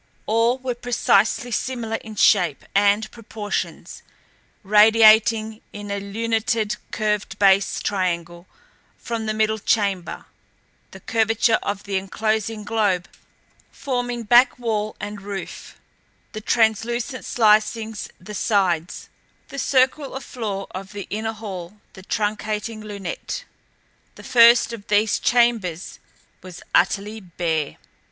All were precisely similar in shape and proportions, radiating in a lunetted, curved base triangle from the middle chamber; the curvature of the enclosing globe forming back wall and roof; the translucent slicings the sides; the circle of floor of the inner hall the truncating lunette. The first of these chambers was utterly bare.